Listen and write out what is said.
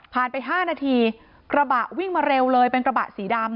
ไป๕นาทีกระบะวิ่งมาเร็วเลยเป็นกระบะสีดำ